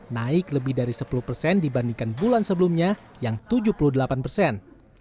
naik lebih dari sepuluh persen dibandingkan bulan sebelumnya yang tujuh puluh delapan persen